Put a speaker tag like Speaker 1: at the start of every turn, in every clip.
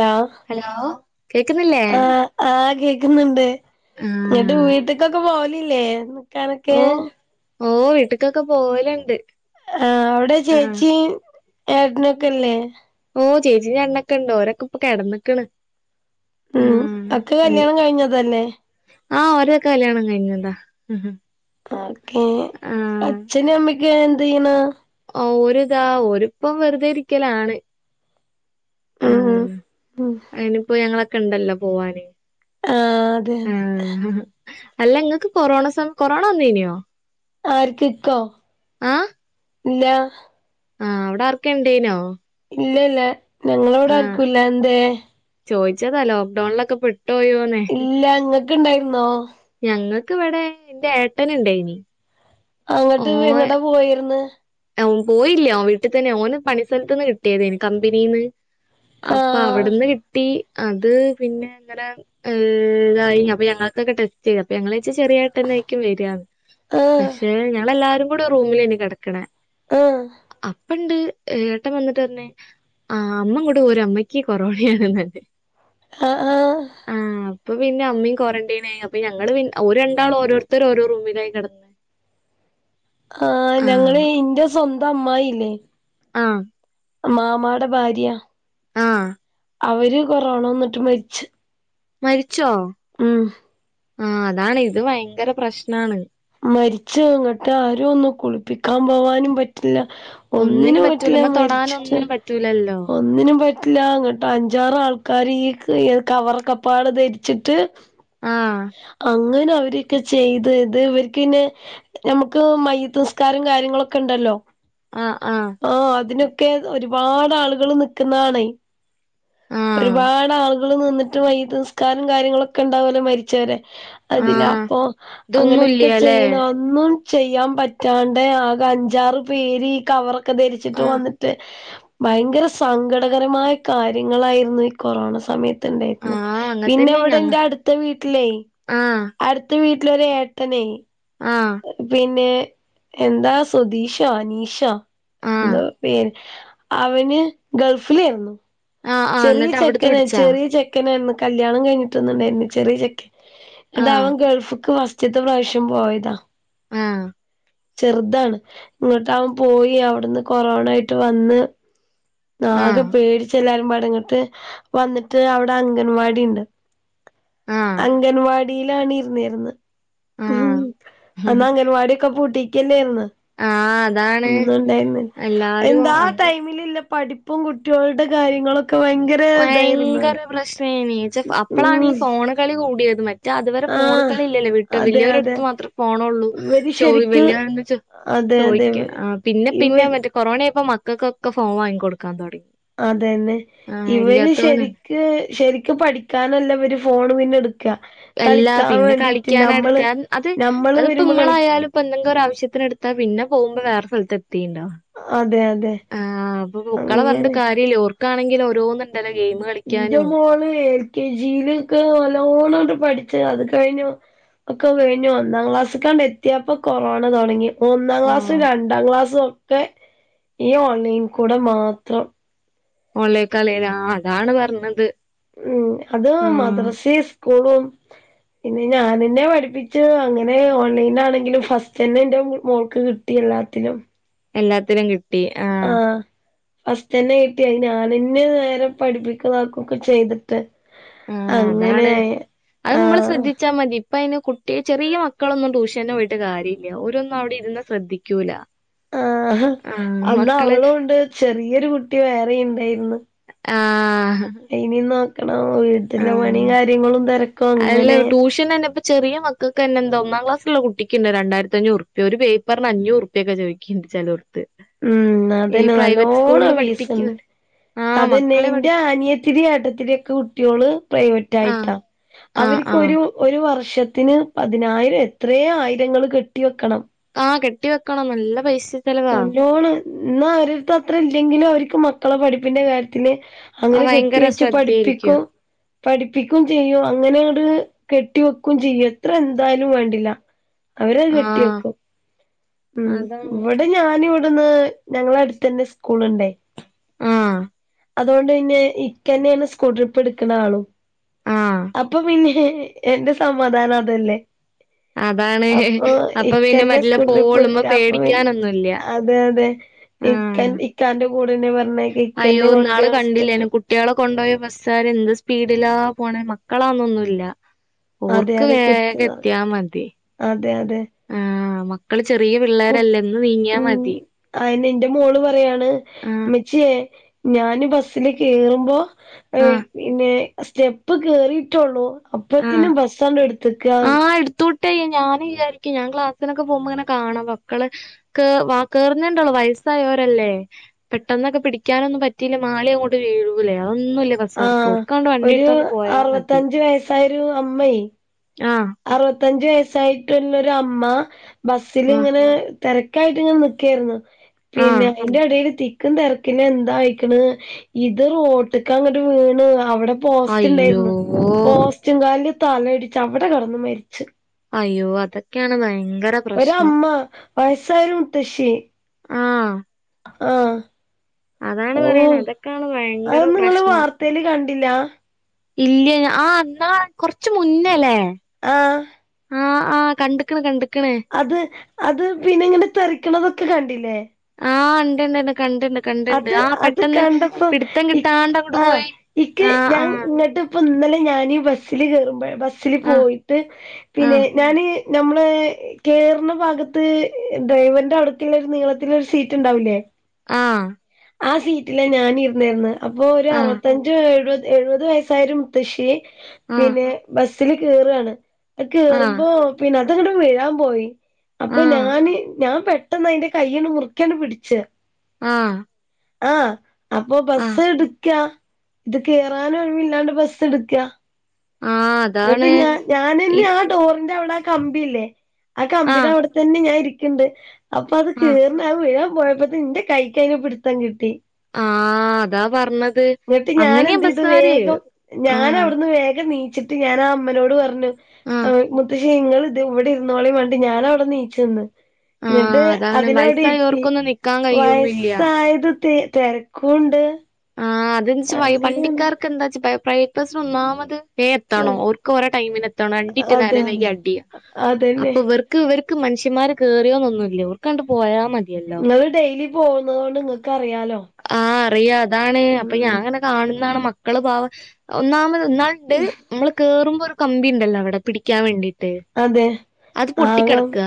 Speaker 1: Hello
Speaker 2: hello കേക്ക്‌ന്നില്ലേ
Speaker 1: ആഹ്‌ ആഹ്‌ കേക്ക്‌ന്നുണ്ട്. ന്നട്ട്
Speaker 2: ആഹ്
Speaker 1: വീട്ട്ക്കൊക്കെ പോവലില്ലേ ക്കാനൊക്കെ
Speaker 2: ഓ ഓ വീട്ട്ക്കൊക്കെ പോവല്ണ്ട്
Speaker 1: ആ്അവിടെ ചേച്ചിം ഏട്ടനൊക്കെല്ലേ
Speaker 2: ഓചേച്ചിം ചേട്ടനൊക്കെണ്ട്. ഓരൊക്കെപ്പോ കെടന്ന്ക്ണ്
Speaker 1: ഉം ഒക്കെ കല്യാണം കഴിഞ്ഞതന്നെ
Speaker 2: ആഹ്‌ ഓരൊക്കെ കല്യാണം കഴിഞ്ഞ താ
Speaker 1: ഓക്കേ, അച്ഛനും അമ്മക്കെഎന്തെയ്യ്ണ്
Speaker 2: ഓര്താ ഓര്പ്പം വെറുതെ ഇരിക്കലാണ്
Speaker 1: ഉം ഉം
Speaker 2: ആഹ്‌
Speaker 1: ഉം
Speaker 2: അയ്ന്പ്പോ ഞങ്ങളൊക്കെണ്ടല്ലോ പോവാന്
Speaker 1: ആഹ്‌ അതെ അതെ
Speaker 2: ഉം അല്ല ങ്ങക്ക് കൊറോണ സം കൊറോണ വന്നീന്യോ
Speaker 1: ആര്ക്ക് ഇക്കോ ഇല്ല
Speaker 2: ആഹ്‌ അവിടാർക്കെണ്ടേനോ
Speaker 1: ഇല്ലല്ല ഞങ്ങളവടെ ആര്ക്കുല്ല. എന്തേ
Speaker 2: ചോയ്ച്ചതാ ലോക്ക്ഡൌൺലൊക്കെ പെട്ടോയോന്ന്
Speaker 1: ഇല്ല ങ്ങക്ക്ണ്ടായിരുന്നോ
Speaker 2: ഞങ്ങക്ക് വടെ ഇന്റെ ഏട്ടന്ണ്ടായിനി
Speaker 1: അങ്ങട്ട് എങ്ങട്ടാ പോയിര്ന്ന്
Speaker 2: ഏഹ് ഓൻപോയില്ല ഓൻ വീട്ടിതന്നെ ഓന് പണി സ്ഥലത്ത്ന്ന് കിട്ടിയതേനി കമ്പ്നീന്ന്
Speaker 1: ആഹ്
Speaker 2: അപ്പവിട്ന്ന് കിട്ടി അത് പിന്നെങ്ങനെതായി അപ്പൊ ഞങ്ങക്ക് ഒക്കെ ടെ ചെയ അപ്പോഞങ്ങൾ ചെറി എട്ടന് ആയിരിക്കും വരാന്ന്
Speaker 1: ആഹ്
Speaker 2: പക്ഷെ ഞങ്ങളെല്ലാവാരും ഇവിടെ റൂമിലേനി കെടക്ക്‌ണെ
Speaker 1: ആഹ്‌
Speaker 2: അപ്പണ്ട് ഏട്ടൻ വന്നിട്ട് പർഞ്ഞ് ആഹ്‌ അമ്മങ്ങോട്ട് പോര് അമ്മക്ക്കൊറോണയാണ്ന്നർഞ്
Speaker 1: അഹ് ആഹ്
Speaker 2: അപ്പൊ പിന്നെ അമ്മീ ക്വാറന്റയ്ന്ആയി അപ്പോഞങ്ങള്പിന്നെഓര് രണ്ടാളു ഓരോരുത്തർ ഒരോറൂമിലായി കിടന്ന്
Speaker 1: ആഹ് ഞങ്ങളീ ഇന്റെ സ്വന്തം അമ്മായില്ലേ
Speaker 2: ആഹ്‌
Speaker 1: മാമാടെ ഭാര്യ
Speaker 2: ആഹ്
Speaker 1: അവര് കൊറോണ വന്നിട്ട് മര്ച്ച്
Speaker 2: മരിച്ചോ
Speaker 1: ഉം
Speaker 2: ആഹ്‌ അതാണ്, ഇത് വയങ്കര പ്രശ്നാണ്
Speaker 1: മര്ച്ച് ങ്ങട്ടാരു ഒന്ന് കുളിപ്പിക്കാൻ പോവാനും പറ്റില്ല ഒന്നിനും
Speaker 2: പറ്റൂല
Speaker 1: പറ്റില്ല
Speaker 2: മ്മ
Speaker 1: മരിച്ചിട്ട്
Speaker 2: തൊടാനൊന്നിനും പറ്റൂലല്ലോ
Speaker 1: ഒന്നിനും പ റ്റില്ല. ങ്ങട്ടഞ്ചാറ് ആൾക്കാര് ഈ കവറക്കപ്പാടെ ധര്ച്ചിട്ട്
Speaker 2: ആഹ്
Speaker 1: അങ്ങനെ അവരൊക്കെ ചെയ്തത് കിന്. നമുക്ക് മയ്യത്ത് നിസ്കാരം കാര്യങ്ങളൊക്കെ ഉണ്ടല്ലോ
Speaker 2: ആഹ് ആഹ്
Speaker 1: ഓ അതിനൊക്കെ ഒരുപാട് ആളുകൾ നിക്കുന്നതാണേ
Speaker 2: ആഹ്
Speaker 1: ഒരുപാട് ആൾ കൾനിന്നിട്ട് മയ്യത്ത്നിസ്കാരം കാര്യങ്ങളൊക്കെ ഉണ്ടാവലെ മരിച്ചവരെ അതില്
Speaker 2: ആഹ്
Speaker 1: അപ്പൊ അങ്ങനെയൊക്കെ
Speaker 2: ഇതൊന്നുല്ല്യാല്ലേ
Speaker 1: ചെയ്യ്ണ ആൾ ഒന്നും ചെയ്യാൻ പറ്റാണ്ട് ആകെ അഞ്ചാറ് പേര് ഈ കവർഒക്കെ ഒക്കെധരിച്ചിട്ട്
Speaker 2: ആഹ്
Speaker 1: വന്നിട്ട് ഭയങ്കര സങ്കടകരമായകാര്യ ങ്ങളായിരുന്നു ഈ കൊറോണ സമയത്ത് ത്ണ്ടായിരുന്ന
Speaker 2: ആഹ്
Speaker 1: പിന്നെ
Speaker 2: അങ്ങൻതന്നെ
Speaker 1: ഇവിടെ
Speaker 2: ഞങ്ങ
Speaker 1: ന്റെ അടുത്ത വീട്ടിലെ
Speaker 2: ആഹ്
Speaker 1: അടുത്ത വീട്ടിലൊരു ഏട്ടനെ
Speaker 2: ആഹ്
Speaker 1: പിന്നെ എന്താ സുതീഷ അനീഷാ
Speaker 2: ആഹ്
Speaker 1: എന്തോ പേര് അവന് ഗൾഫിലായിരുന്നു
Speaker 2: ആഹ് ആഹ്
Speaker 1: ചെറിയ
Speaker 2: ന്നിട്ട് അവിടുന്ന്
Speaker 1: ചെക്കന
Speaker 2: പിടിച്ചാ
Speaker 1: ചെറിയ ചെക്ക ക്കനായിരുന്നു കല്യാണം കഴിഞ്ഞിട്ടൊന്നുണ്ടായിരുന്നില്ല ചെറിയ ചെക്കൻ ന്നിട്ട്
Speaker 2: ആഹ്
Speaker 1: അവൻ ഗൾഫ്ക്ക് ഫസ് റ്റത്തെ പ്രാവശ്യം പോയതാ
Speaker 2: ആഹ്
Speaker 1: ചെറുതാണ് എന്നിട്ട് അവൻ പോയി അവിടുന്ന് കൊറോണ ആയിട്ട് വന്ന് ആകെ
Speaker 2: ആഹ്
Speaker 1: പേടിച് എല്ലാരും പാടെ ന്നിട്ട് വന്നിട്ട് അവിടെ അംഗൻവാടി ഇണ്ട്
Speaker 2: ആഹ്
Speaker 1: അംഗൻവാടിയിലാണ് ഇരുന്നിരുന്നത് ഉം
Speaker 2: ആഹ്
Speaker 1: അന്ന്
Speaker 2: ആഹ്
Speaker 1: അംഗൻവാടിയൊക്കെ പൂട്ടിക്കന്നേന്ന്
Speaker 2: അതാണ്
Speaker 1: അന്ന്ണ്ടായിര്ന്ന്
Speaker 2: എല്ലാരും
Speaker 1: എന്താ
Speaker 2: അന്ന്
Speaker 1: ടൈമിൽല്ല പഠിപ്പും കുട്ടികളുടെ കാര്യങ്ങളൊ
Speaker 2: ഭയങ്കര പ്രശ്നേനി ച്ച അപ്പളാണ് ഈ
Speaker 1: ഉം
Speaker 2: ഫോണ് കളി കൂടിയത് മ റ്റ അതുവരെ ഫോണ്
Speaker 1: ആഹ്
Speaker 2: കളി ഇല്ലല്ലേ വിട്ട്
Speaker 1: അതെ അതെ
Speaker 2: വലിയോരടുത്ത് മാത്രേ ഫോണുള്ളൂ
Speaker 1: ഇവര്
Speaker 2: ചോയ്
Speaker 1: ശരിക്ക്
Speaker 2: വലിയോരാണെങ്കി ചോയി
Speaker 1: അതെ അതെ
Speaker 2: ചോദിക്ക ആഹ് പിന്നെ പിന്നെ
Speaker 1: ഇവര്
Speaker 2: മറ്റേ കൊറോണയപ്പോ മക്കൾക്കൊക്കെ ഫോൺ വാങ്ങി കൊടുക്കാൻ തൊടങ്ങി
Speaker 1: അതെന്നെ ഇവര് ശരി ക്ക് ശരിക് പഠിക്കാനല്ല ഇവര് ഫോണ് പിന്നെ എടുക്ക
Speaker 2: എല്ലാ
Speaker 1: കളിക്കാൻ
Speaker 2: പിന്നെ
Speaker 1: വേണ്ടിട്ട്
Speaker 2: കളിക്കാന
Speaker 1: നമ്മള്
Speaker 2: എടുക്കാ അത്
Speaker 1: നമ്മള്
Speaker 2: അതിപ്പോ
Speaker 1: വരുമ്പോ കളി
Speaker 2: ഇമ്മളായാലും ഇപ്പൊ എന്തെങ്കി ഒരാവശ്യത്തിനെടുത്താ പിന്നെ പോകുമ്പോ വേറെ സ്ഥലത്ത് എത്തിണ്ടാവും
Speaker 1: അതെ അതെ
Speaker 2: ആഹ് അപ്പൊ മുക്കളെ പറഞ്ഞിട്ട്
Speaker 1: അങ്ങനെ
Speaker 2: കാര്യല്ല ഓർക്കാണെങ്കിലും ഓരോന്നുണ്ടല്ലോ ഗെയിം കളി
Speaker 1: ഇന്റെ മോള് എൽ കെ ജിയിലൊക്കെ വല്ലോണംണ്ട് പഠിച്ച അത് കഴിഞ്ഞു ഒക്കെ വേഞ്ഞു ഒന്നാം ക്ലാസ്കാണ്ട് എത്തിയപ്പൊ കൊറോണ തൊടങ്ങി ഒന്നാം ക്ലാസ്സും
Speaker 2: ആഹ്
Speaker 1: രണ്ടാം ക്ലാസ്സും ഒക്കെ ഈ ഓൺലൈനി കൂടെ മാത്രം
Speaker 2: ഓലേ കളി ആഹ് അതാണ് പറഞ്ഞത്
Speaker 1: ഉം അത്
Speaker 2: ആഹ്
Speaker 1: മദ്രസെ സ്കൂളും പിന്നെ ഞാനന്നെ പഠിപ്പിച്ച് അങ്ങനെ ഓൺലൈനാണെങ്കിലും ഫസ്റ്റ് തന്നെ എന്റെ മോൾക്ക് കിട്ട ട്ടി എല്ലാത്തിനും
Speaker 2: എല്ലാത്തിനും കിട്ട
Speaker 1: ആഹ് ഫസ്റ്റ് തന്നെ കിട്ടിയ ഞാനന്നെ നേരെ പഠിപ്പിക്കതാക്കു ഒക്കെ ചെയ്തി
Speaker 2: ആഹ് അതാണ്
Speaker 1: അങ്ങനെയായ്
Speaker 2: അത് നമ്മള്
Speaker 1: ആഹ്
Speaker 2: ശ്രദ്ധിച്ചാൽ മതി ഇപ്പ അയിന് കുട്ടിയ ചെറിയ മക്കളൊന്നും ട്യൂഷന് പോയിട്ട് കാര്യല്ല ഓരൊന്നും അവിടെ ഇരുന്ന് ശ്രദ്ധിക്കൂല്ല
Speaker 1: ആഹ അന്ന് അവളുണ്ട് ചെറിയൊരു കുട്ടി വേറെണ്ടായിരുന്നു
Speaker 2: ആഹ്
Speaker 1: ഇനി നോക്കണം വീട്ടിലെ പണിയും കാര്യങ്ങളും തെരക്കും
Speaker 2: അല്ല
Speaker 1: അങ്ങനെ
Speaker 2: [unintelligible] ഇപ്പ ചെറിയ മക്കൾക്കന്നെ എന്തോ ഒന്നാം ക്ലാസിലുള്ള കുട്ടിക്കുണ്ട് രണ്ടായിരത്തി അഞ്ഞൂറ് ഉറുപ്പ്യാ ഒരു പേപ്പറിന് അഞ്ഞൂറ് ഉറു പ്പ്യക്കെ ചോദിക്കണ്ട് ചിലോട്ത്ത്
Speaker 1: ഉം അതന്നെ നല്ലോണം ഫീസ്ണ്ട്
Speaker 2: പഠിപ്പിക്ക്ണ് ആ
Speaker 1: അതന്നെ
Speaker 2: മക്കളെ
Speaker 1: ന്റെ
Speaker 2: പഠിപ്പി
Speaker 1: അനിയ ത്തിടി ഏട്ടത്തിടി ഒക്കെ കുട്ടികള് പ്രൈവറ്റ്
Speaker 2: ആ
Speaker 1: ആയിട്ടാ
Speaker 2: ആ
Speaker 1: അവർക്ക്
Speaker 2: ആ
Speaker 1: ഒരു ഒരു വർഷ ത്തിന് പതിനായിരം എത്രേ ആയിരങ്ങൾ കെട്ടി വെക്കണം.
Speaker 2: ആഹ് കെട്ടി വെക്കണം നല്ല പൈസ്
Speaker 1: ന്നല്ലോണം ഇന്നാ ആരട്ത്തും അത്ര ഇല്ലെങ്കിലും അവർക്ക് മക്കളെ പഠിപ്പിന്റെ കാര്യത്തില്
Speaker 2: ആ
Speaker 1: അങ്ങനെ കെട്ടി
Speaker 2: ഭയങ്കര
Speaker 1: വെച്ച്
Speaker 2: ശ്രദ്ധയായിരിക്കും
Speaker 1: പഠിപ്പിക്കും. പഠിപ്പിക്കും ചെയ്യും അങ്ങനെ ണ്ട് കെട്ടി വെക്കും ചെയ്യ എത്ര എന്തായാലും വേണ്ടില്ല. അവരഹ്
Speaker 2: ആ
Speaker 1: കെട്ടിയെക്കും. ഉം
Speaker 2: അതാണ്
Speaker 1: ഇവടെ ഞാന് ഇവട്ന്ന് ഞങ്ങള ട്ത്തന്നെ സ്കൂള്ണ്ടേ.
Speaker 2: ആ
Speaker 1: അതുകൊണ്ട് പിന്നെ ഇക്കന്നെയാണ് സ്കൂൾ ട്രിപ്പ് എട്ക്ക്ണ ആളും
Speaker 2: ആ
Speaker 1: അപ്പ പിന്നെ എന്റെ സമാധാനം അതല്ലേ.
Speaker 2: അതാണ്
Speaker 1: അപ്പൊ
Speaker 2: അപ്പൊ പിന്നെ
Speaker 1: ഇക്കന്നെ
Speaker 2: മെല്ലെ
Speaker 1: സ്കൂ ട്രിപ്പ്
Speaker 2: പോവോളും
Speaker 1: ട്ക്ക
Speaker 2: മ്മ
Speaker 1: അപ്പൊ പിന്നെ
Speaker 2: പേടിക്കാനൊന്നുല്ല
Speaker 1: അ അതെ അതെ
Speaker 2: ആ
Speaker 1: ഇക്കൻ ഇക്കാന്റെ കൂടെന്നെ പർഞ്ഞ
Speaker 2: അയ്യോ
Speaker 1: ഇക്കന്നെ കൊ
Speaker 2: ഇന്നാള് കണ്ടില്ലേനോ കുട്ട്യാളെ കൊണ്ടോയ ബസ്സാര് എന്ത് സ്പീഡിലാ പോണേ മക്കളാന്നൊന്നുല്ല.
Speaker 1: അതെ
Speaker 2: ഓർക്ക്
Speaker 1: അതെ
Speaker 2: വേഗ
Speaker 1: കുത്തി
Speaker 2: ത്തിയാ
Speaker 1: നെറക്കിട്ട്
Speaker 2: മതി.
Speaker 1: അതെ അതെ
Speaker 2: ആഹ് മക്കള് ചെറിയ
Speaker 1: കു
Speaker 2: പിള്ളേരല്ല ന്ന് നീങ്ങിയാ
Speaker 1: ഉം
Speaker 2: മതി.
Speaker 1: അയിന് ന്റെ മോള് പറ്യാണ്
Speaker 2: ആഹ്
Speaker 1: മ്മച്ചിയെ ഞാന് ബസ്സ്ല് കേറുമ്പോ ഏഹ്
Speaker 2: ആഹ്
Speaker 1: പിന്നെ സ്റ്റെപ്പ് കേറിട്ടൊള്ളൂ
Speaker 2: ആഹ്
Speaker 1: അപ്പത്തിനും ബസ്സാണ്ട് ട്ത്തക്കാ.
Speaker 2: ആഹ് എട്ത്തോട്ടെ ഞാന് വിചാരിക്കും ഞാ ക്ലാസ്സിനക്കെ പോകുമ്പോ ങ്ങനെ കാണും മക്കള് ക്ക് വാ കേറ്ന്നേണ്ടള്ളൂ വയസ്സായോരല്ലേ. പെട്ടെന്നൊക്കെ പിടിക്കാനൊന്നും പറ്റിയില്ല മാളി അങ്ങോട്ട് വീഴൂലേ അതൊന്നുല്ല. ബസ്സാർക്ക്
Speaker 1: ആഹ്
Speaker 2: ഒർക്കാണ്ട് വണ്ടി
Speaker 1: ഒരു
Speaker 2: ട്ത്താണ്ട് പോയാ മതി
Speaker 1: അറുപത്തഞ്ച് വയസ്സായൊരു അമ്മയ്
Speaker 2: ആഹ്.
Speaker 1: അറുപത്തഞ്ച് വയസ്സായിട്ടുള്ളൊരു അമ്മ
Speaker 2: ആഹ്
Speaker 1: ബസ്സ്ല്ങ്ങനെ തെരക്കായിട്ട് ങ്ങനെ നിക്കായിരുന്നു പിന്നെ
Speaker 2: ആഹ്
Speaker 1: അയിന്റെ എടേല് തി ക്ക് തെരക്കില് എന്താ ആയിക്കണ് ഇത് റോട്ട്ക്ക് അങ്ങട്ട് വീണ് അവടെ പോസ്റ്റ് ണ്ടായിരുന്നു
Speaker 2: അയ്യോ
Speaker 1: പോസ്റ്റ് കാൽല് തലയിടിച്ച് അവടെ കടന്ന് മരിച്ച്.
Speaker 2: അയ്യോ അതക്കെയാണ് ഭയങ്കരം
Speaker 1: ഒര അമ്മ വയസ്സായരു മുത്തശ്ശി
Speaker 2: ഉം
Speaker 1: ആഹ്
Speaker 2: അതാണ്
Speaker 1: ഓ
Speaker 2: പറയ്ണേ അതൊക്കാണ് ഭയങ്കര
Speaker 1: അതൊന്നും ഇങ്ങള്
Speaker 2: പ്രശ്നം.
Speaker 1: വാർത്തേല് കണ്ടില്ല?
Speaker 2: ഇല്ല ആഹ് ന്നാ കൊർച്ച് മുന്നല്ലേ?
Speaker 1: ആഹ്
Speaker 2: ആഹ് ആഹ് കണ്ട്ക്ക്ണ് കണ്ട്ക്ക്ണ്
Speaker 1: അത് അത് പിന്നെ ഇങ്ങനെ തെറിക്ക്ണതൊക്കെ കണ്ടില്ലേ?
Speaker 2: ആഹ് ണ്ട് ണ്ട് ണ്ട് കണ്ടണ്ട്
Speaker 1: അത് അത് കണ്ടപ്പോ ഇ
Speaker 2: കിട്ടാണ്ട് അങ്ങോട്ട്
Speaker 1: ആഹ്
Speaker 2: പോയി
Speaker 1: ഇക്ക്
Speaker 2: ആഹ്
Speaker 1: ഞാൻ ഇങ്ങട്ട് പ്പ ഇന്നലെ ഞാന് ബസ്സ്ല് കേറുമ്പ ബസ്സ്ല്
Speaker 2: ആഹ്
Speaker 1: പോയിട്ട് പിന്നെ
Speaker 2: ആഹ്
Speaker 1: ഞാന് ഞമ്മള് കേറ്ന്ന ഭാഗത്ത് ഡ്രൈവറിന്റെ അട്ത്ത്ള്ളേ നീളത്തില് ഒരു സീറ്റ് ണ്ടാവുലേ?
Speaker 2: ആഹ്
Speaker 1: ആഹ് സീറ്റില ഞാൻ ഇര്ന്നിര്ന്നേ അപ്പോ ഒര്
Speaker 2: ആഹ്
Speaker 1: അറുപത്തഞ്ച് എഴുപ എഴുപത് വയസ്സായൊരു മുത്തശ്ശി
Speaker 2: ആഹ്
Speaker 1: പിന്നെ ബസ്സ്ല് കേറാണ്. അഹ്
Speaker 2: ആഹ്
Speaker 1: കേറുമ്പോ പിന്നെ അതങ്ങട്ട് വീഴാൻ പോയി.
Speaker 2: ആഹ്
Speaker 1: അപ്പ
Speaker 2: ആഹ്
Speaker 1: ഞാന് ഞാ പെട്ടെന്ന് അയിന്റെ കൈയ്യാണ്ട് മുർക്ക്യാണ്ട് പിടിച്ച്.
Speaker 2: ആഹ്
Speaker 1: ആഹ് അപ്പൊ
Speaker 2: ആഹ്
Speaker 1: ബസ്സ് ട്ക്ക ഇത് കേറാനും ഒഴിവില്ലാണ്ട് ബസ്സ് ട്ക്കാ.
Speaker 2: ആഹ്
Speaker 1: ങ്ങട്ട്
Speaker 2: അതാണ്
Speaker 1: ഞ
Speaker 2: ഇ
Speaker 1: ഞാനന്നെ ആഹ് ഡോറിന്റെ അവടെ ആഹ് കമ്പില്ലേ ആഹ് കമ്പിടെ അഒട് തന്നെ ഞാൻ ഇരിക്ക്ണ്ട് അപ്പ അത്
Speaker 2: ആഹ്
Speaker 1: കേർണ അഹ് വേം പോയപ്പത്ത ന്റെ കൈയ്യ്ന് പിട്ത്തം കിട്ടി.
Speaker 2: ആഹ് അതാ പറഞ്ഞത്
Speaker 1: ഉ [inaudible] [unintelligible] ഇന്നിട്ട് ഞാനെ
Speaker 2: അങ്ങനെയാ
Speaker 1: എന്തേയ്
Speaker 2: ബസ്സാര്
Speaker 1: വേഗം
Speaker 2: ആഹ്
Speaker 1: ഞാനവ്ട്ന്ന് വേഗം നീ ഞാനാ അമ്മനോട് പറഞ്ഞു ആഹ് മുത്തശ് ഇങ്ങള് ഇത് ഇവടെ ഇരുന്നോളിം പർഞ്ഞിട്ട് ഞാന അവടെ നീച്ച് നിന്ന് ഇന്നിട്ട്
Speaker 2: ആഹ് അതാണ്
Speaker 1: അതിനവ്ടെ ഇരിത്തി
Speaker 2: വയസ്സായോർക്കൊന്നും നിക്കാൻ കഴിയൊന്നുല്ല.
Speaker 1: വയസ്സായത് തി തെര ക്കൂണ്ട്
Speaker 2: ന്തന്ന്ച്ച വണ്ടിക്കാർക്ക് എന്താച്ച പ പ്രൈപസ്സ്‌ ഒന്നാമത് വേ എത്തണൊ ഓർക്ക് ഓരെ ടൈമിന് എത്തണൊ രണ്ടിൻറ്റ്
Speaker 1: അതെ
Speaker 2: നേരം
Speaker 1: അതെ
Speaker 2: വൈകിയ അടി
Speaker 1: അതന്നെ
Speaker 2: അപ്പൊ ഇവർ ക്ക് ഇവർക്ക് മനുഷ്യമ്മാര് കേറിയൊന്നുന്നില്ല ഇവർക്കണ്ട് പോയാ മതി
Speaker 1: ഇങ്ങള് ഡെയിലി പോകുന്നതോണ്ട് ഇങ്ങക്കറിയാലൊ
Speaker 2: ആഹ് അറിയ അതാണ് അപ്പൊ ഞാ ഇങ്ങനെ കാണുന്നാണ് മക്കള് പാവം ഒന്നാമത് ഇന്നാണ്ട്, മ്മള് കേറുമ്പൊ ഒരു കമ്പി ഇണ്ടലൊ? അവടെ പിടിക്കാൻ വേണ്ടീട്ട്.
Speaker 1: അതെ
Speaker 2: അത്
Speaker 1: ആകം
Speaker 2: പൊട്ടിക്കെടക്ക.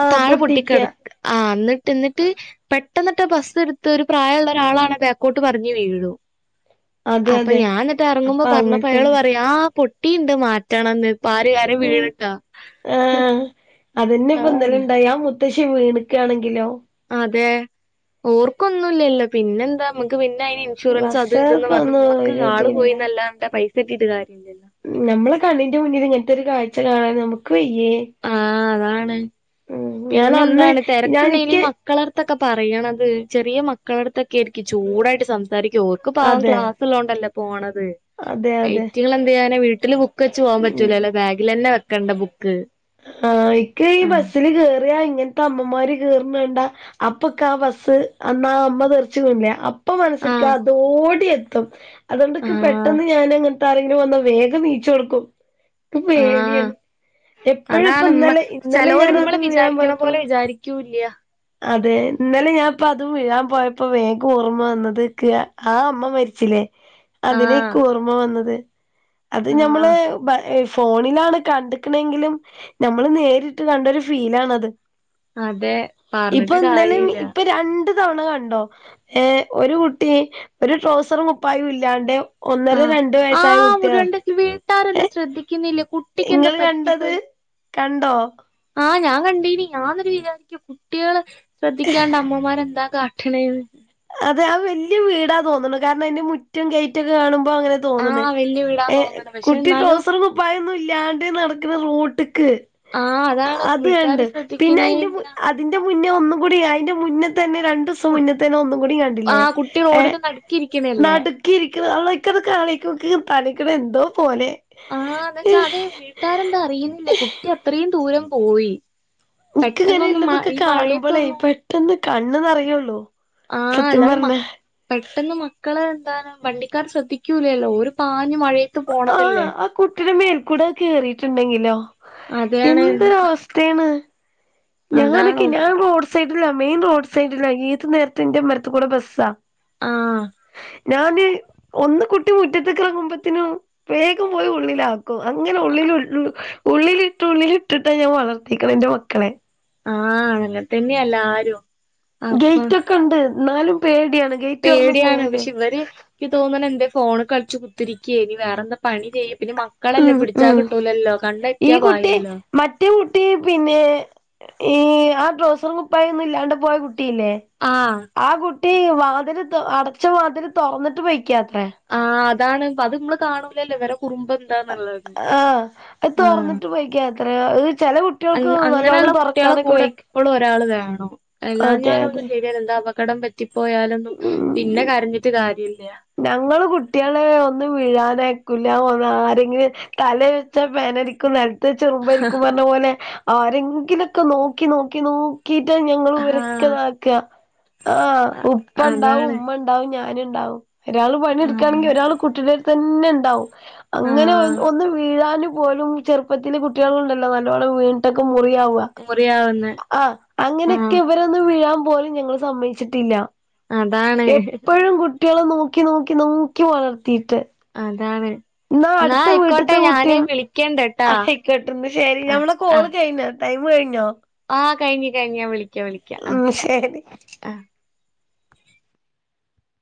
Speaker 1: ആഹ്
Speaker 2: താഴെ
Speaker 1: പൊട്ടിക്ക
Speaker 2: പൊട്ടിക്കെട, - ആഹ്, ഇന്നിട്ട് ഇന്നിട്ട്, പെട്ടെന്ന്ട്ട് ബസ്സ് ഇടുത്ത്. ഒരു പ്രായള്ളൊരാളാണ്ത്. ക്കോട്ട് മറിഞ്ഞു വീഴു.
Speaker 1: അതെ
Speaker 2: അപ്പൊ
Speaker 1: അതെ
Speaker 2: ഞാൻ ഇന്നിട്ട് എറങ്ങുമ്പൊ
Speaker 1: അപ്പൊ
Speaker 2: പറഞ്ഞപ്പൊ അയാൾ
Speaker 1: അങ്ങൻത്തന്നെ
Speaker 2: പറയാ, ആഹ് പൊ ട്ടീണ്ട് മാറ്റണംന്ന്. പ്പാര് ആരേം
Speaker 1: ഉം
Speaker 2: വീണിട്ടൊ?
Speaker 1: ആഹ്. അതെന്നെ ഇപ്പൊ
Speaker 2: പറഞ്ഞെ
Speaker 1: ഇന്നലെണ്ടായി. ആഹ് മുത്തശ്ശി വീണ്ക്കാണെങ്കിലോ?
Speaker 2: അതെ. ഓർക്കൊന്നുംല്ലല്ലോ പിന്നെന്താ നമ്മക്ക്? പിന്നെ അയിന് ഇൻഷുറൻസ് അതും ഇതൂന്ന് പറഞ്ഞ്
Speaker 1: ബസ്സാർക്കൊന്നും
Speaker 2: മ്മക്ക് ആള്
Speaker 1: ഒരിതുല്ല
Speaker 2: പോയിന്നല്ലാതെ, പൈസട്ടീട്ട് കാര്യം ഇല്ലല്ലോ?
Speaker 1: നമ്മള കണ്ണിന്റെ മുന്നില് ഇങ്ങൻത്തൊരു കാഴ്ച കാണാൻ ഞമ്മക്ക് വയ്യേ?
Speaker 2: ആ അതാണ്.
Speaker 1: ഉം ഞാൻ അന്ന്
Speaker 2: പിന്നെന്താണ്
Speaker 1: ഞാൻ
Speaker 2: തെരക്ക്ണ്ടെങ്കില് ഈ
Speaker 1: ഇക്ക്
Speaker 2: മക്ക - മക്കളട്ത്തൊക്ക പറയ്യ്ണത് ചെറിയ മക്കളട്ത്തൊക്കെ ആയിരിക്കും ചൂടായിട്ട് സംസാരിക്ക. ഓൽക്ക് പാവം
Speaker 1: അതെ
Speaker 2: ക്ലാസ്- ള്ളോണ്ടല്ലെ പോണത്.
Speaker 1: അതെ അതെ
Speaker 2: ഐറ്റങ്ങള് എന്തീയ്യാനാ? വീട്ട്ല് ബു ക്ക് വെച്ച് പോവാൻ
Speaker 1: ഉം
Speaker 2: പറ്റൂലലൊ? ബാഗിലെന്നെ വെക്കണ്ട ബുക്ക്.
Speaker 1: ആഹ്. ഇൻക്ക് ഈ
Speaker 2: ആ
Speaker 1: ബസ്സില് കേറിയാ ഇങ്ങൻത്ത അമ്മമാര് കേറ്ണണ്ട. അപ്പൊക്കാ ബസ്സ് അന്നാ അമ്മ തെർച്ച് വീണിലെ? അ പ്പ
Speaker 2: ആ
Speaker 1: മനസ്സ്ക്ക് അതോടി എത്തും.
Speaker 2: ആ
Speaker 1: അതോണ്ട്ക്ക് പെട്ടെന്ന് ഞാനങ്ങ് ആരെങ്കിലും വന്നാ വേഗം നീച്ചൊടുക്കും. ഇക്ക്
Speaker 2: ആ
Speaker 1: പേട്യാണ്. എപ്പഴും ഇപ്പ
Speaker 2: അതാണ് ഇമ്മ
Speaker 1: ഇന്നലെ, ഇന്നലെ
Speaker 2: ചെലോര്
Speaker 1: ഞാനത്
Speaker 2: ഇമ്മള്
Speaker 1: വീഴാൻ
Speaker 2: വിചാരിക്കണ പോലെ
Speaker 1: പോയപ്പള്-
Speaker 2: വിചാരിക്കൂല്ല്യ
Speaker 1: അതെ. ഇന്നലെ ഞാൻ ഇപ്പ അതും വീഴാൻ പോയപ്പോ വേഗം ഓർമ്മ വന്നത് ഇക്ക് ആഹ് അമ്മ മര്ച്ച്ലെ? അതിനെ
Speaker 2: ആഹ്
Speaker 1: ഇക്ക് ഓർമ്മ വന്നത്. അത് ഞമ്മള്
Speaker 2: ആഹ്
Speaker 1: ബ എഫ് ഫോണിലാണ് കണ്ട്ക്കണെങ്കിലും, നമ്മള് നേരിട്ട് കണ്ടൊരു ഫീലാണത്.
Speaker 2: അതെ
Speaker 1: ഇപ്പൊ
Speaker 2: പറഞ്ഞിട്ട്
Speaker 1: ഇന്നലെം,
Speaker 2: കാര്യല്ല
Speaker 1: ഇപ്പൊ രണ്ട്- തവണ കണ്ടോ? ഏഹ് ഒരു കുട്ടീ ഒരു ട്രൗസറും കുപ്പായു ഇല്ലാണ്ടെ. ഒന്നര
Speaker 2: ആഹ്
Speaker 1: രണ്ട് വയസ്സായ
Speaker 2: ആഹ്
Speaker 1: കുട്ട്യാണ്.
Speaker 2: മുരണ്ടക്ക് വീട്ടാരൊന്നും
Speaker 1: ഏഹ്
Speaker 2: ശ്രദ്ധിക്കുന്നില്ല കുട്ടിക്കെന്താ
Speaker 1: ഇങ്ങള് കണ്ടൊത്?
Speaker 2: പറ്റിപ്പോയി
Speaker 1: കണ്ടോ?
Speaker 2: ആഹ്. ഞാൻ കണ്ടീനി, ഞാന്ന്ട്ട് വിചാരിക്കും, കുട്ട്യാളെ ശ്രദ്ധിക്കാണ്ട് അമ്മമാര് എന്താ കാ. - ട്ട്ണേന്ന്.
Speaker 1: അതെ. ആഹ് വല്യ വീടാ തോന്ന്ണു. കാര്ണം അതിന്റെ മുറ്റും ഗെയ്റ്റൊക്കെ കാണുമ്പോ അങ്ങനെ. - തോന്ന്ണ്.
Speaker 2: ആഹ് വല്യ വീടാന്ന്
Speaker 1: ഏഹ്
Speaker 2: തോന്നണ് പക്ഷെ
Speaker 1: കുട്ടി
Speaker 2: എന്നാലും
Speaker 1: ട്രൗസറും കുപ്പായൊന്നും ഇല്ലാണ്ട് നടക്ക്ണ്. റോട്ട്ക്ക്.
Speaker 2: ആഹ് അതാണ്
Speaker 1: അത് കണ്ട്.
Speaker 2: വീട്ടാര്
Speaker 1: പിന്നെ അയിന്റെ മു
Speaker 2: ശ്രദ്ധിക്കണേല്ല
Speaker 1: അതിന്റെ മുന്നെ ഒന്നുകുടി. അയിന്റെ മുന്നെ തന്നെ രണ്ട് സ്യ തന്നെ ഒന്നും കുടി കണ്ടിലെ?
Speaker 2: ആഹ് കുട്ടി
Speaker 1: ഏഹ്
Speaker 2: റോഡിന്റെ നടുക്കിരിക്കണല്ലേ
Speaker 1: നാട്ട്ക്- ക്കി ഇരിക്ക്ണ അവൾക്കത് കാണി ക്കോക്, തലയ്കുടെ എന്തോ പോലെ.
Speaker 2: ആഹ്. ന്നച്ചാ അതെയ് വീട്ടാരെന്താ അറിയ്ന്നില്ല കുട്ടി അത്രീം ദൂരം പോയി. പെട്ടെന്നൊന്നും മ ഈ മഴയത്തൊന്നും. -
Speaker 1: ട്ടന്ന് കണ്ണന്നെറയൊള്ളു.
Speaker 2: ആഹ്. എല്ലാരെ മ്മ പെട്ടെന്ന് മക്കളെ എന്താണ് വണ്ടിക്കാർ ശ്രദ്ധിക്കൂലലൊ? ഓര് പാഞ് മഴ-
Speaker 1: ആഹ. ആ കുട്ടിയുടെ മേൽക്കൂടെ കേയറിയിട്ടുണ്ടെങ്കിലോ?
Speaker 2: അതാണ്
Speaker 1: എന്ത
Speaker 2: എന്നും പ-
Speaker 1: അവസ്ഥ- ത്തെണ്
Speaker 2: അതാണ്
Speaker 1: ഞാനൊക്കെ
Speaker 2: ഒന്ന്
Speaker 1: ഞാൻ റോഡ് സൈഡിലാ. മെയിൻ റോഡ് സൈഡിലാ. ഏത് നേരത്തും ന്റെ മ്മരത്തുകൂടെ ബസ്സാ.
Speaker 2: ആഹ.
Speaker 1: ഞാന്, ഒന്ന് കുട്ടി മുറ്റത്ത്ക്ക്റങ്ങുമ്പത്തിനും വേഗം പോയി ഉള്ളിലാകും. അങ്ങനെ ഉള്ളിൽ ഉള്ളിലിട്ട് ഉള്ളിലിട്ടിട്ടാ ഞാൻ വളർത്തിക്കണെ ന്റെ മക്കളെ.
Speaker 2: ആ. അങ്ങനെതഞ്ഞയാ എല്ലാരും. അപ്പം
Speaker 1: ഗേയ്റ്റൊക്കെണ്ട് എന്നാലും പേടിയാണ്. ഗേറ്റ് തുറന്ന്
Speaker 2: പേടിയാണ്.
Speaker 1: പോവൂലേ
Speaker 2: പക്ഷെ ഇവര്- എനിക്ക് തോന്നണ് ന്തേ ഫോൺ കളിച്ച് കുത്തിരിക്കയ്നി. വേറെന്ത പണി ചെയ്യ പിന്നെ മക്കളല്ലേ
Speaker 1: ഉം
Speaker 2: പിടിച്ചാ
Speaker 1: ഉം
Speaker 2: കിട്ടൂലല്ലോ?
Speaker 1: ഈ
Speaker 2: കണ്ണെറ്റിയാ
Speaker 1: കുട്ടി
Speaker 2: പായല്ലോ?
Speaker 1: മറ്റേ കുട്ടി പിന്നെ ഈ ആ ഡ്രോസറും കുപ്പായ ഒന്നും ഇല്ലാണ്ട് പോയ കുട്ടില്ലേ?
Speaker 2: ആഹ്
Speaker 1: ആ കുട്ടി വാതിൽ അടച്ച വാതിൽ തുറന്നിട്ട് പോയിക്കാത്രേ
Speaker 2: ആ അതാണ് അത് നമ്മള് കാണൂലല്ലേ വേറെ കുറുമ്പ് എന്താന്നുള്ളത്.
Speaker 1: ആ് അത്
Speaker 2: ആ
Speaker 1: തുറന്നിട്ട് പോയിക്ക അത്രയാ അത് ചില കുട്ടികൾക്ക്
Speaker 2: അങ്ങ് അങ്ങനെയുള്ള
Speaker 1: നല്ലോണ്ണം
Speaker 2: കുട്ടികളെ
Speaker 1: തുറക്കാനൊക്കെ
Speaker 2: കൂടെ
Speaker 1: വെയിക്കും.
Speaker 2: എപ്പളും ഒരാൾ വേണം എല്ലാ ഞ്ഞാലും ഒും
Speaker 1: അതെ
Speaker 2: ശരിയല്ല എന്താ അബക്കടം പറ്റിപ്പോയാലൊന്നും പിന്നെ
Speaker 1: ഉം
Speaker 2: കരഞ്ഞിട്ട് കാര്യമില്ല
Speaker 1: ഞങ്ങള് കുട്ടികളെ ഒന്നും വിീഴാനക്കില്ല ഒ ആരെങ്കിലും തല വെച്ച പേനരിക്കും ന ചെറുമ്പരിക്കും പറഞ്ഞ പോലെ ആരെങ്കിലൊക്കെ നോക്കി നോക്കി നോ ക്കിട്ട ഞങ്ങൾ
Speaker 2: ആഹ്
Speaker 1: ഉരക്കതാക്കുക ആ
Speaker 2: അ
Speaker 1: ഉപ്പ ഉണ്ടാവും
Speaker 2: അതാണ്.
Speaker 1: ഉമ്മ ഉണ്ടാവും ഞാനും ഉണ്ടാവും ഒരാൾ
Speaker 2: ആഹ്
Speaker 1: പണിെടുക്കുകയാണെങ്കിൽ ഒരാൾ കുട്ടിടെട്തന്നെ ഉണ്ടാവും അങ്ങനെ
Speaker 2: ആഹ്
Speaker 1: ഒന്ന് വീഴൻ പോലും ചെറുപ്പ കുട്ടികള ഉണ്ടല്ലോ നല്ലോണം വീണ്ട്ടൊക്കെ മുറിയവുക
Speaker 2: മുറിയാവുന്നെ.
Speaker 1: ആ
Speaker 2: ആഹ്
Speaker 1: അങ്ങനെയൊക്കെ ഇവരെ ഒന്ന് വീഴാൻ പോലും ഞങ്ങൾ സമ്മച്ചിട്ടില്ല
Speaker 2: അതാണ്
Speaker 1: എപ്പോഴും കുട്ടികള നോ നോക്കി നോക്കി നോക്കി വളർത്തിയിട്ട്
Speaker 2: അതാണ്.
Speaker 1: എന്നാ
Speaker 2: ന്നാ
Speaker 1: അടുത്ത
Speaker 2: ആയിക്കോട്ടെ
Speaker 1: വീട്ടത്തെ കുട്ടിയ
Speaker 2: ഞാന് വിളിക്കണ്ട്ട്ടാ.
Speaker 1: ആയിക്കോട്ടന്ന് ശരി
Speaker 2: ആഹ്
Speaker 1: ഞമ്മടെെ കോള്
Speaker 2: ആഹ്
Speaker 1: കഴിഞ്ഞ ടൈം കഴിഞ്ഞോ?
Speaker 2: ആഹ് കഴിഞ്ഞ് കഴിഞ്ഞാ വിളിക്കാം വിളിക്കാം ആഹ്
Speaker 1: ഉ ശരി
Speaker 2: ആഹ്.